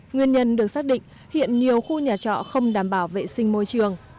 nguyên nhân được xác định hiện nhiều khu nhà trọ không đảm bảo vệ sinh môi trường